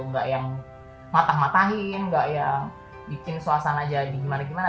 nggak yang matah matahin nggak yang bikin suasana jadi gimana gimana